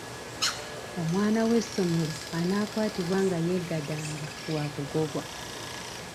Omwana w'essomero anaakwatibwa nga yeegadanga wakugobwa.